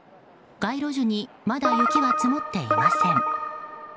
街路樹にまだ雪は積もっていません。